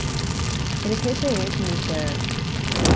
El jefe es Mr.